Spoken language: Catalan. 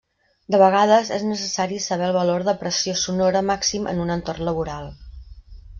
De vegades és necessari saber el valor de pressió sonora màxim en un entorn laboral.